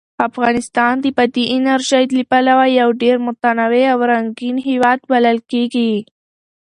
افغانستان د بادي انرژي له پلوه یو ډېر متنوع او رنګین هېواد بلل کېږي.